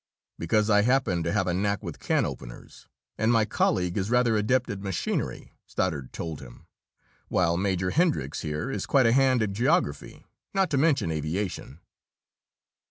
"Because I happen to have a knack with can openers, and my colleague is rather adept with machinery," Stoddard told him, "while Major Hendricks here is quite a hand with geography, not to mention aviation."